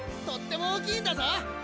とっても大きいんだぜ！